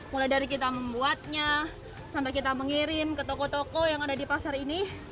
mulai dari kita membuatnya sampai kita mengirim ke toko toko yang ada di pasar ini